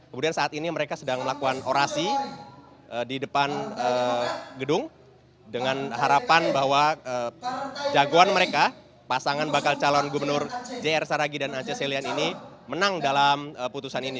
kemudian saat ini mereka sedang melakukan orasi di depan gedung dengan harapan bahwa jagoan mereka pasangan bakal calon gubernur jr saragi dan ance selian ini menang dalam putusan ini